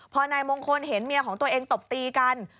พอนายมงคลเห็นเมียของตัวเองตบตีกัน